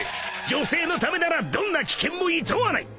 ［女性のためならどんな危険もいとわない］